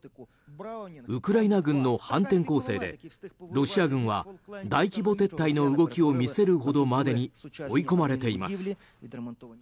ウクライナ軍の反転攻勢でロシア軍は大規模撤退の動きを見せるほどまでに追い込まれています。